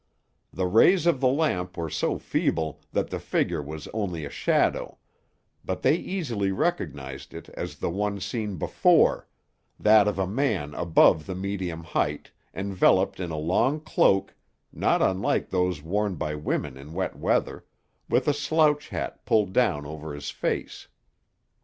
The rays of the lamp were so feeble that the figure was only a shadow; but they easily recognized it as the one seen before that of a man above the medium height, enveloped in a long cloak, not unlike those worn by women in wet weather, with a slouch hat pulled down over his face.